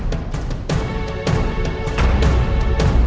mais dating pirati